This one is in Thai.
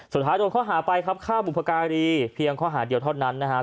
สุดท้ายโดนข้อหาไปครับฆ่าบุพการีเพียงข้อหาเดียวเท่านั้นนะครับ